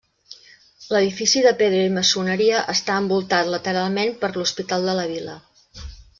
L'edifici de pedra i maçoneria està envoltat lateralment per l'Hospital de la Vila.